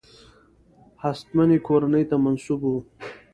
هستمنې کورنۍ ته منسوب وو.